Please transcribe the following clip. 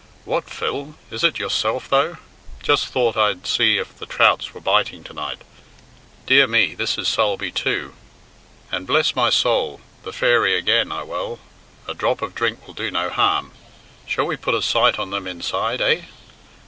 "What, Phil! Is it yourself, though? Just thought I'd see if the trouts were biting to night. Dear me, this is Sulby too! And bless my soul, 'The Fairy' again I Well, a drop of drink will do no harm. Shall we put a sight on them inside, eh?"